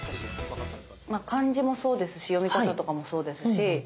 漢字もそうですし読み方とかもそうですし